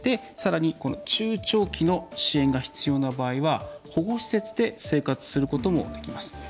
さらに、中長期の支援が必要な場合は保護施設で生活することもできます。